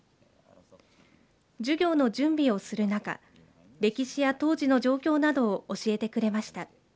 授業の準備をする中歴史や当時の状況などを教えてくれました。